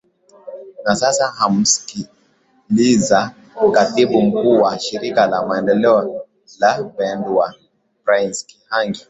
na sasa kumsikiliza katibu mkuu wa shirika la maendeleo la bendewa prince kihangi